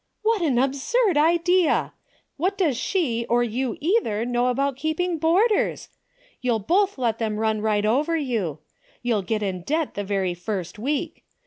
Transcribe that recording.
" What an absurd idea ! What does she or you either know about keeping boarders ? You'll both let them run right over you. You'll get in debt the very first week.